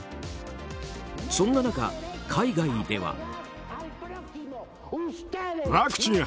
そんな中、海外では。